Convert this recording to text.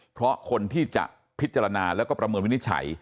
เพราะคนที่จะพิจารณาแล้วก็ประเมินวินิจฉัย